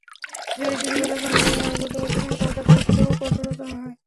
যদি সে দৃঢ়তার সঙ্গে দীনের আনুগত্য করতে থাকে তবে তার পরীক্ষাও কঠোরতর হয়।